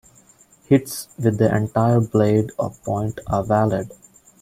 Hits with the entire blade or point are valid.